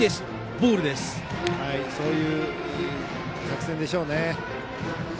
そういう作戦でしょうね。